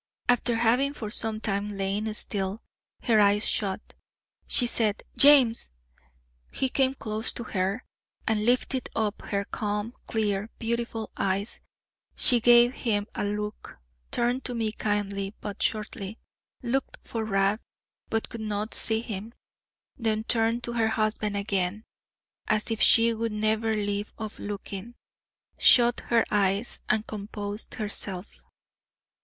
After having for some time lain still her eyes shut, she said, "James!" He came close to her, and lifting up her calm, clear, beautiful eyes, she gave him a long look, turned to me kindly but shortly, looked for Rab but could not see him, then turned to her husband again, as if she would never leave off looking, shut her eyes and composed herself.